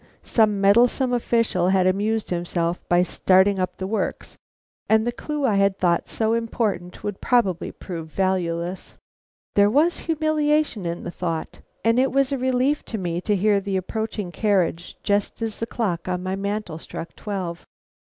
some meddlesome official had amused himself by starting up the works, and the clue I had thought so important would probably prove valueless. There was humiliation in the thought, and it was a relief to me to hear an approaching carriage just as the clock on my mantel struck twelve.